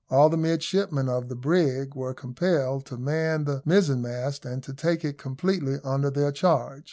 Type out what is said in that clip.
All the midshipmen of the brig were compelled to man the mizen mast, and to take it completely under their charge.